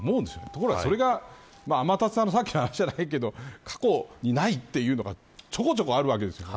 ところが、それは天達さんのさっきの話じゃないけど過去にないというのがちょこちょこあるわけです。